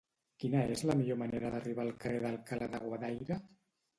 Quina és la millor manera d'arribar al carrer d'Alcalá de Guadaira?